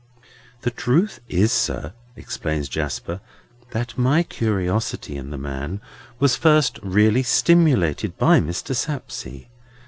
"The truth is, sir," explains Jasper, "that my curiosity in the man was first really stimulated by Mr. Sapsea.